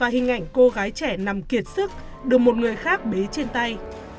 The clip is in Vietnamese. hình ảnh cô gái trẻ nằm kiệt sức được một người khác bế trên tay